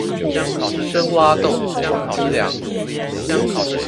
深挖洞，廣積糧